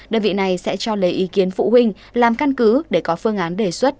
đơn vị này sẽ cho lấy ý kiến phụ huynh làm căn cứ để có phương án đề xuất